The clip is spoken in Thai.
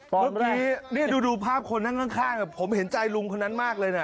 ตอนแรกเนี่ยดูดูภาพคนข้างข้างอะผมเห็นใจลุงเขานั้นมากเลยน่ะ